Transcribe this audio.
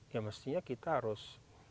ya mestinya kita harus